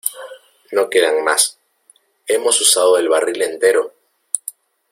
¡ No quedan más! ¡ hemos usado el barril entero !